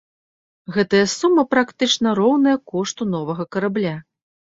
Гэтая сума практычна роўная кошту новага карабля.